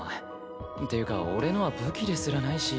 っていうか俺のは武器ですらないし。